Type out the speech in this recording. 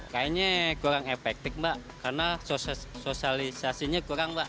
kayaknya kurang efektif mbak karena sosialisasinya kurang mbak